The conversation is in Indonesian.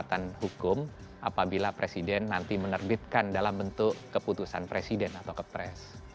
dan ini akan menjadi keputusan hukum apabila presiden nanti menerbitkan dalam bentuk keputusan presiden atau kepres